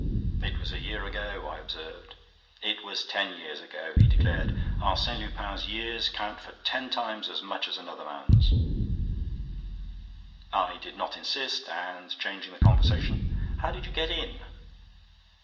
"It was a year ago," I observed. "It was ten years ago," he declared. "Arsène Lupin's years count for ten times as much as another man's." I did not insist and, changing the conversation: "How did you get in?"